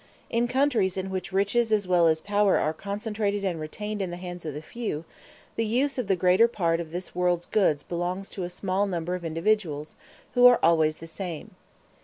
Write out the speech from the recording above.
In countries in which riches as well as power are concentrated and retained in the hands of the few, the use of the greater part of this world's goods belongs to a small number of individuals, who are always the same.